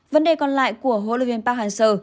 vấn đề còn lại của hvp hàn sơ